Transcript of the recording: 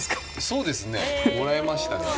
そうですねもらいましたね。